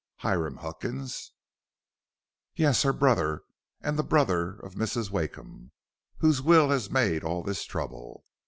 "Hiram Huckins?" "Yes, her brother and the brother of Mrs. Wakeham, whose will has made all this trouble.